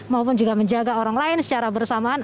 maupun juga menjaga orang lain secara bersamaan